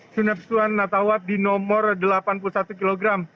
sunepstuan natawat di nomor delapan puluh satu kg